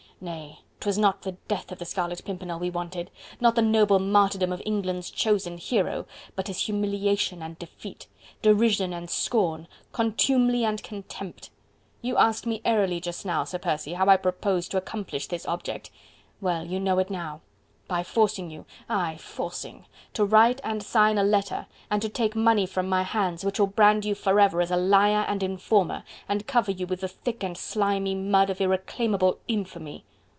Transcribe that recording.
Nay! 'twas not the death of the Scarlet Pimpernel we wanted... not the noble martyrdom of England's chosen hero... but his humiliation and defeat... derision and scorn... contumely and contempt. You asked me airily just now, Sir Percy, how I proposed to accomplish this object... Well! you know it now by forcing you... aye, forcing to write and sign a letter and to take money from my hands which will brand you forever as a liar and informer, and cover you with the thick and slimy mud of irreclaimable infamy..."